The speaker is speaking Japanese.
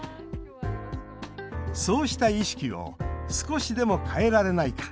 そうした意識を少しでも変えられないか。